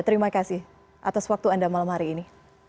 terima kasih atas waktu anda malam hari ini